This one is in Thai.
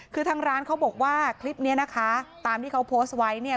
คือทางร้านเขาบอกว่าคลิปนี้นะคะตามที่เขาโพสต์ไว้เนี่ย